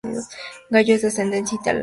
Gallo es de ascendencia italiana.